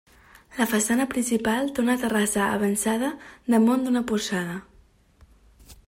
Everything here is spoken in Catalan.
La façana principal té una terrassa avençada damunt d'una porxada.